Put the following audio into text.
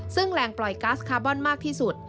ซึ่งแรงปล่อยก๊าซคาร์บอนมากที่สุด